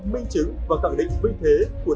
minh chứng và cẳng định vinh thế của